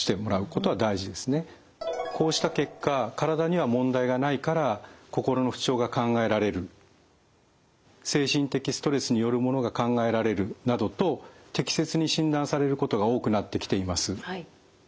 こうした結果「体には問題がないから心の不調が考えられる」「精神的ストレスによるものが考えられる」などと適切に診断されることが多くなってきています。